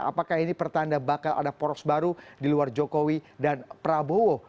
apakah ini pertanda bakal ada poros baru di luar jokowi dan prabowo